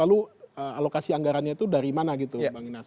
lalu alokasi anggarannya itu dari mana gitu bang inas